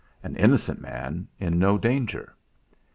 An innocent man in no danger!